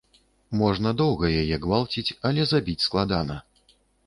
Можна доўга яе гвалціць, але забіць складана.